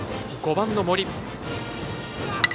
５番の森。